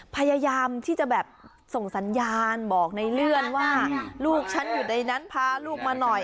พยายามที่จะแบบส่งสัญญาณบอกในเลื่อนว่าลูกฉันอยู่ในนั้นพาลูกมาหน่อย